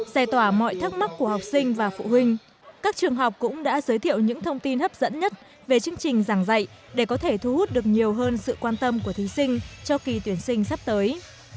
giải tỏa mọi thắc mắc của học sinh và phụ huynh các trường học cũng đã giới thiệu những thông tin hấp dẫn nhất về chương trình giảng dạy để có thể thu hút được nhiều hơn sự quan tâm của thí sinh cho kỳ tuyển sinh sắp tới